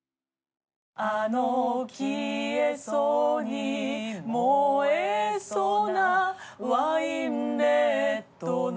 「あの消えそうに燃えそうなワインレッドの」